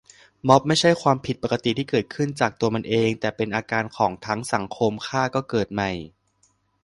ม็อบไม่ใช่ความผิดปกติที่เกิดขึ้นจากตัวมันเอง แต่เป็นอาการของทั้งสังคม ฆ่าก็เกิดใหม่